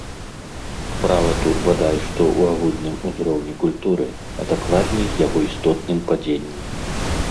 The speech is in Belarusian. Справа тут, бадай што, у агульным узроўні культуры, а дакладней яго істотным падзенні.